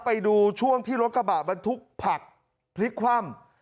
ไปดูช่วงที่รถกระบะบรรทุกผักพลิกคว่ำ